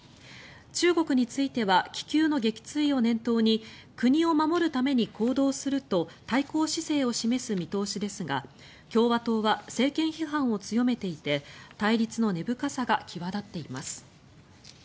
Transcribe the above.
中国については気球の撃墜を念頭に国を守るために行動すると対抗姿勢を示す見通しですが共和党は政権批判を強めていて対立の根深さが際立っています。